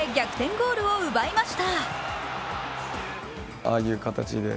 ゴールを奪いました。